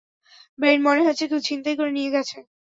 Brain মনে হচ্ছে কেউ ছিনতাই করে নিয়ে গেছে!